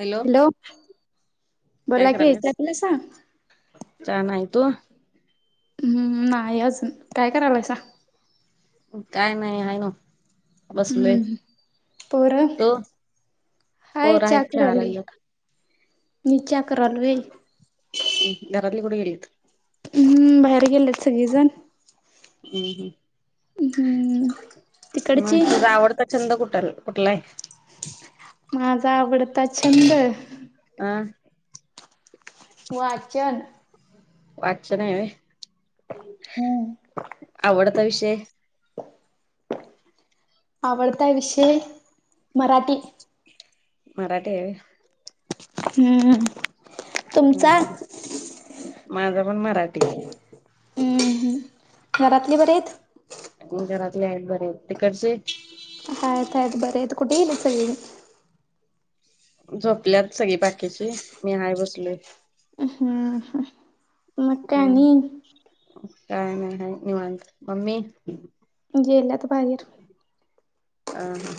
Hello hello बोला की कसलं सांग छान आहे तु हम्म्म नाही अजून काय करायलायसा- काय नाही आहे ओ बसले हम्म पोरं तु हाय पोरं चहा आहेत खेळाय करालोय लागलेत मी चहा करालोय घरातली कुठ गेलीत हं बाहेर गेलेत सगळीजण हं हं हम्म तिकडची मग तुझ आवडत छंद कुठल-कुठला आहे माझा आवडता छंद अं वाचन वाचन आहे व्हय हम्म आवडता विषय आवडता विषय मराठी मराठी आहे व्हय हं हं हं हं माझा पण मराठी घरातली बरी आहेत हं घरातले आहेत बरे आहेत तिकडचे आहेत आहेत बरे आहेत कुठे गेलीत सगळीजण झोपल्यात सगळी बाकीची, मी हाय बसलोय. हम्म ह हम् काय नाही आहे निवांत. मम्मी? गेल्यात बाहेर. अहा हा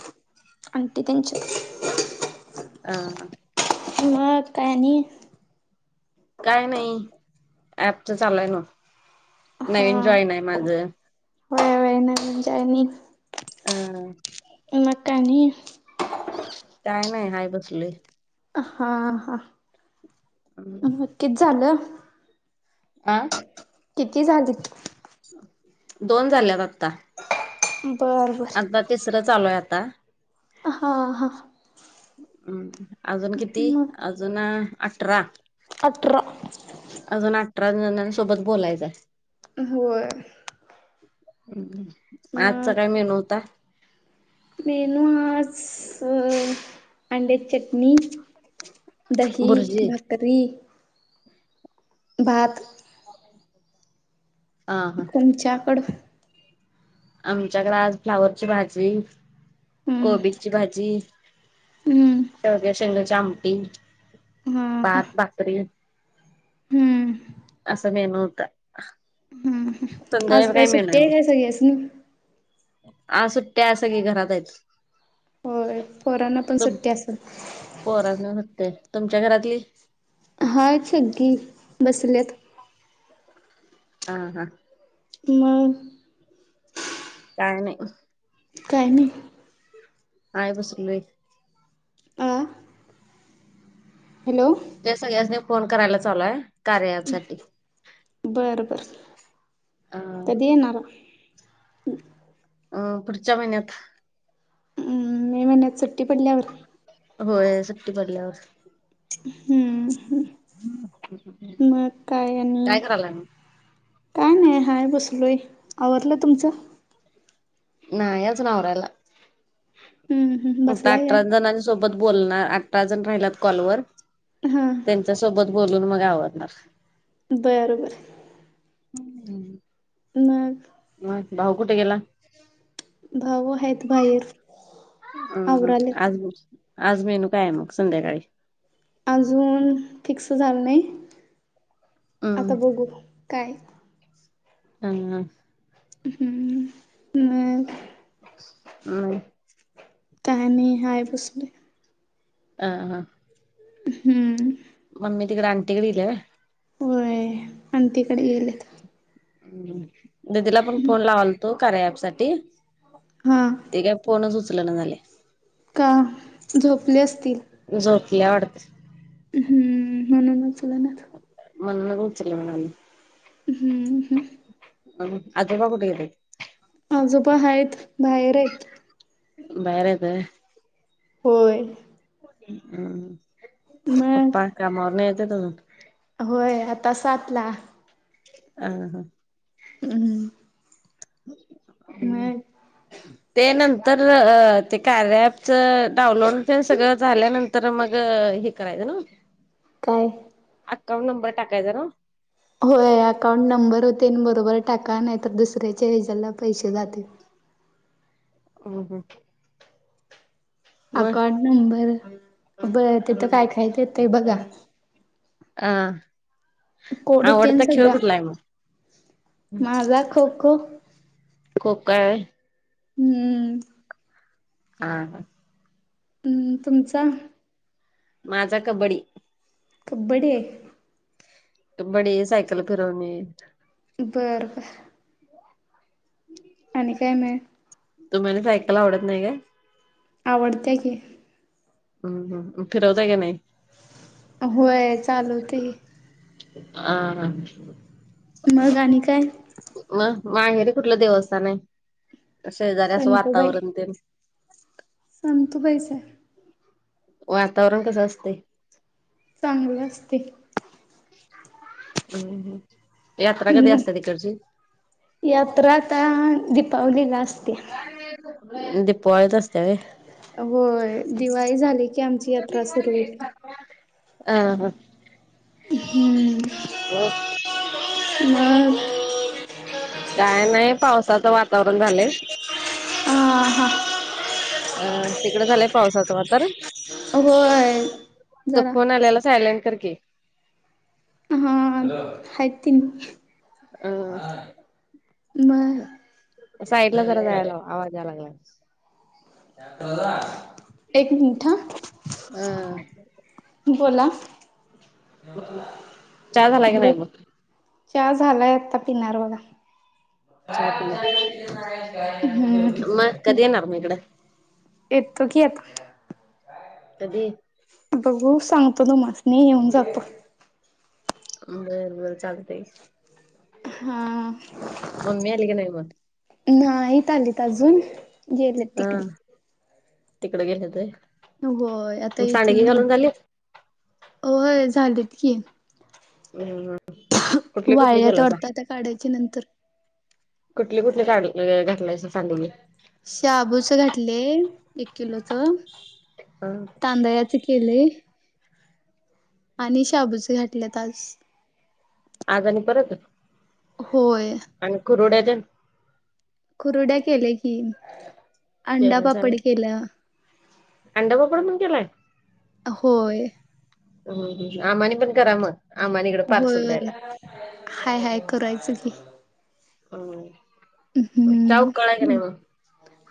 आंटी त्यांची हां ह मग काय आणि काय नाही ऍपच चाललंय बघ हा नवीन जॉइन आहे माझं. होय होय नवीन जॉयानिंग हम मग काय आणि काय नाही हाय बसलोय. हा हा मग किती झालं? आं किती झालेत? दोन झाल्यात आत्ता. बरं बरं आमचं तिसरं चालूय आता. हां हां अजून किती? मग अजून अठरा. अठरा अजून अठरा जणांसोबत बोलायचं आहे. होय मग आजचा मग काय मेनू होता? मेनू आज अंड्याची चटणी. दही, बुर्जी भाकरी. भात. हा हा तुमच्याकडं? आमच्याकडे आज फ्लावरची भाजी, हम्म कोबीची भाजी. हम्म शेवग्या शेंगंची आमटी, हा हा भात, भाकरी. हम्म असं मेनू होत हम्म आज संध्याकाळी काय मेनू सुट्टी हाय मग? आहे काय सगळ्यासनी आज सुट्ट्या सगळी घरात आहेत. होय, पोरांना पण सुट्टी असल. पोरास्नी सुट्ट्रीय तुमच्या घरातली? हायत सगळी बसल्यात. हा हा. मग काय नाही? काय नाही? हाय बसलोय. आ हॅलो तेच, सगळ्यांनी फोन करायला चालूय कार्या अँपसाठी बरं बरं अ कधी येणार? अं पुढच्या महिन्यात. अम्म. मे महिन्यात सुट्टी पडल्यावर. होय, सुट्टी पडल्यावर. हम्म, ह. मग काय, आणि? करायला मग? काय नाही. हाय, बसलोय. आवरलं तुमचं? नाही अजून आवरायला. हम्म हम्म आता बसलाय अठरा काय? जणांस सोबत बोलणार. अठराजण राहिल्यात कॉलवर. ह. त्यांच्या सोबत बोलून, मग आवरणार. बरं, बरं. मग? मग, भाऊ कुठे गेला? भाऊ, हाईत बाहीर. हम्म, ह. आज, आज मेन्यू कायेय मग, संध्याकाळी? अजून, फिक्स झालं नाही. हम्म आता बघू, काय. ह, ह. हम्म. मग? मग? काय नाही. हाय, बसलोय. आ, हां. हम्म. मम्मी तिकडं, आंटीकड गीलीय व्हय. आंटीकडं गेलेत. हं. दिदीला पण फोन लावालतो, कार्या ॲपसाठी. हां. ती काय फोनच उचलना झाल्याय. का? झोपले असतील. झोपल्या वाडतं. हम्म, म्हणून उचलनात. म्हणूनच उचलंना झाली. हम्म, हम्. बघू. आजोबा कुठं गेले? आजोबा हायत. बाहेरयत. बाहेरयत व्हय. होय. हम्. मग पप्पा, कामावरनं यायचेत अजून. होय, आता सातला. अ ह. अहं. हम्. ते नंतर अ ते कार्या ॲपचं, डाउनलोड होतय सगळं झाल्यानंत तर मग हे करायचं, नं. काय? अकाउंट नंबर टाकायचा नं? होय, अकाउंट नंबर तेन बरोबर टाका. नाही तर, दुसऱ्याच्या हेजला पैसे जातील. हम्म हम्म अकाउंट नंबर बरं तिथं काय काय येतयं बघा. आं कोड तेन आवडता खेळ सगळा कुठंला हाय मग? माझा खो खो खो-खो हाय हम्म आहा हम् तुमचा? माझा कबड्डी. कब्बड्डी हाय कब्बडी, सायकल फिरवणे बरं बर आणि काय न्हाय? तुम्हाला सायकल आवडत नाही काय? आवडत्या की. हम्म हम्म फिरवताय काय नाही? होय चालवतोय की आ हा मग आणि काय? मग माहेरीे कुठलं देवस्थान हाय शेजारी असं वातावरण तेन? संतुबाईचं हाय. वातावरण कसं असतय? चांगलं असतय. हम्म हं यात्रा कधी असत्या तिकडची? यात्रा आता दीपावलीला असत्या. दिपवाळीत अस त्या होय होय दिवाळी झाली की आमची यात्रा सुरू होत्या. अं हा हम्म ओ मग [unintelligible] काय नाही पावसाचं वातावरण झालंय. आं हां अ तिकडं झालंय पावसाचं वातावरण? होय तो जरा फोन आलेला सायलेंट कर की हा हा हाईत तेंनं अ म साईडला जरा जायला लाव आवाज यायला लागलाय. एक मिनट हा हा बोला चहा झाला की हॅलो नाही मग? चहा झालाय आता पिणार बघा. चहा पिणार. मं हम्म कधी येणार मं इकडं? येतो की आता. कधी? बघू सांगतो तुमास्नी, येऊन जातो. बरं बरं चालतंय हा मम्मी आली का नाय म नाहीत आलीत अजून गेलेत हा तिकडे तिकड गेले होते. होय. आता येतील नंतर, होय. झालेत की हम्म कुठली कुठली वाळ्यात केलासा? वाडत आता काढायची नंतर कुठली कुठली काढु, अ घातलायसां सांडगे शाबूच घातले. एक किलो च, हा तांदळाचे केले. आणि शाबूचे घाटल्यात आज आज आणि परत होय. आणि कुरुड्या तेनं कुरुड्या केल्या की अंडा केल्यास आणि पापड केला अंडा पापड पण केलाय? होय. हम्म, हम्म, आम्हानी पण करा म होय, हाय हाय करायचं की अ, म च्या ऊकळलाय क हम्म नाय म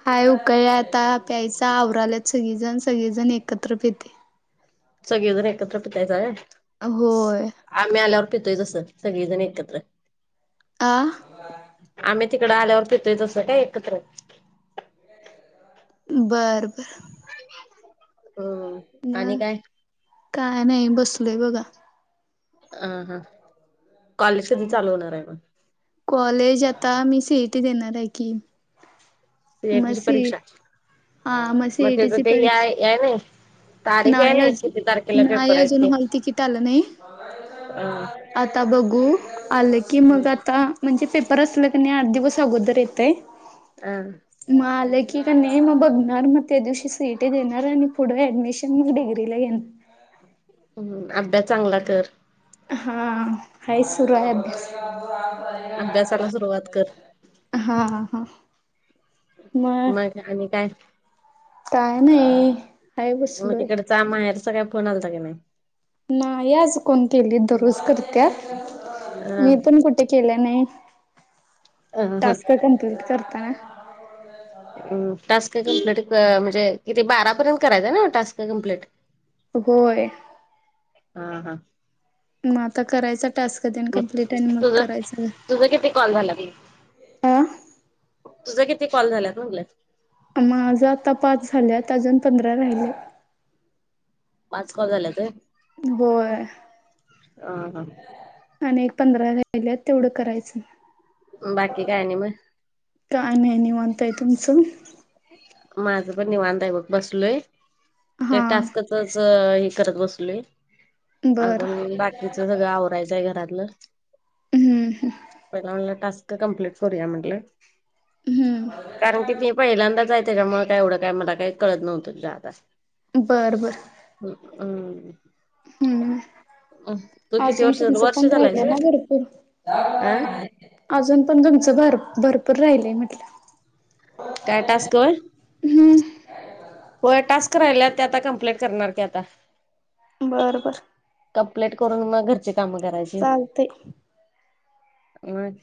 हाय उकळलाय आता, प्यायचा आवराल्यात सगळीजण सगळीजण एकत्र पितय. सगळेजण एकत्र पितायसा व्हय. होय. आम्ही आल्यावर पितोय जसं, सगळीजण एकत्र आं आम्ही तिकडं आल्यावर पितोय तसं काय एकत्र बरं बरं. हम्म आणि म, काय? काय नाय बसलोय बघा अ ह, कॉलेज कधी चालू होणार ये म कॉलेज आता, मी सी ई टी देणार हाय की सी ए टी ची परीक्षा, हा मग त्याज सीईटीची ते हाय, परीक्षा याय नाई तारीख याय नाही नाई, किती तारखेला अजून नाही पेपर आयत ते, अजून हॉल तिकीट आलं नाही अ आता बघू, आलं की, मग आता, म्हणजे पेपर असलं क नाय, आठ दिवस अगोदर येतंय. आ म, आलंय की कनय नाय मग बघणार, मग त्या दिवशी सी ई टी देणार, आणि पुढे ऍडमिशन मग डिग्रीला घेणार. हम्म, अभ्यास चांगला कर हा, हाय सुरू हाय अभ्यास अभ्यासाला सुरुवात कर हा हा हा, म मग आणि काय काय नाई म तिकडचा माहेरचा काय फोन आलता का नाय? नाही आज कोण केलीत, दररोज करत्यात, अ मी पण कु ते केल्या नाही, ह टास्क कंप्लिट करताना. हम्म टास्क कंप्लिट, म्हणजे किती बारापर्यंत करायचं न्हव टास्क कंप्लिट? होय. हा हा... मग आता करायचा टास्क तेन कंप्लीट आणि मग करायचं. तुझ किती कॉल झाल्यात मग? आ तुझा किती कॉल झाल्यात म्हणलं. माझं आता पाच झाल्यात, अजून पंधरा राहिल्यात. पाच कॉल झाल्यात व्हय?? होय. ह हा. आणि एक पंधरा राहिल्यात तेवढं करायचं. बाकी काय आणि म?? काय नाही निवांत हाय, तुमचं? माझ पण निवांत हाय बघ. बसलोय, ते हा टास्क च हे करत बसलोय. बर अजून बा किच सगळ आवरायचंय घरातलं, हम्म हम्म. पहिला म्हनलं टास क कंप्लीट करूया म्हंटल. हम्म. कारण की, ते पहिल्यांदाच हाय तेज्यामुळ काय एवढं काय मला काय कळत न्हवत जादा. बर बर... अ अ... हम्म तू किती अजून वर्ष तुमचं वर्ष पण झालायस राहिल्यात होय ना भरपूर. अ अजून पण तुमचं भर भरपूर राहिलंय म्हंटल. काय टास्क व्हय? हम्म होय टास्क राहिल्यात ते आता कंप्लेट करणार की आता. बरं बर. कंप्लेट करून मग घरची काम करायची चालतय मग.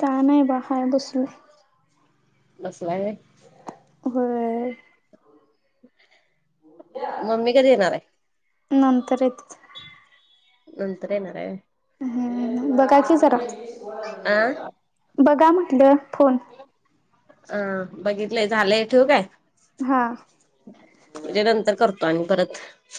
काय नाही बा हाय बसलोय. बसलाय व्हय? होय. मम्मी कधी येणार हाय? नंतर येत्यात. नंतर येणार हाय व्हय. हम्म बघा की जरा. अ.... बघा म्हंटल फोन. अं बघितलंय झालय ठेवु काय? हां... म्हणजे नंतर करतो आणि परत.